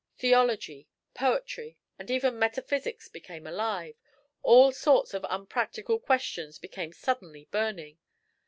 Theology, poetry, and even metaphysics became alive; all sorts of unpractical questions became suddenly burning.